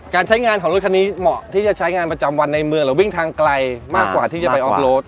การใช้งานของรถคันนี้เหมาะที่จะใช้งานประจำวันในเมืองหรือวิ่งทางไกลมากกว่าที่จะไปออกรถ